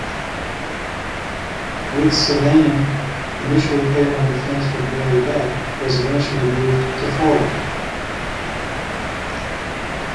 Ruotsalainen, initially paired on defense with Barry Beck, was eventually moved to forward.